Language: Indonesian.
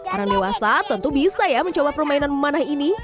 orang dewasa tentu bisa ya mencoba permainan memanah ini